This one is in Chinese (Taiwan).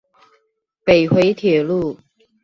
北迴鐵路